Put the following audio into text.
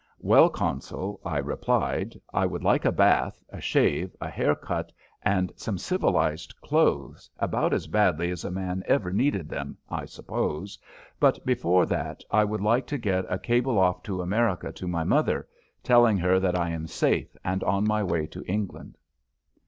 "Well, Consul," I replied, "I would like a bath, a shave, a hair cut, and some civilized clothes about as badly as a man ever needed them, I suppose, but before that I would like to get a cable off to America to my mother, telling her that I am safe and on my way to England."